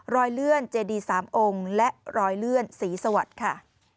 เลื่อนเจดี๓องค์และรอยเลื่อนศรีสวัสดิ์ค่ะ